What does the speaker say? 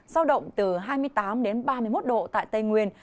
giao động từ hai mươi tám đến ba mươi một độ tại tây nguyên